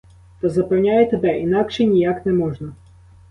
Та запевняю тебе, інакше ніяк не можна.